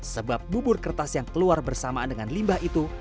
sebab bubur kertas yang keluar bersamaan dengan limbah itu